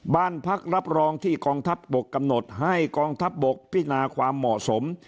บ้านพักรับรองที่กองทัพบกกำหนดให้กองทัพบกพินาความเหมาะสม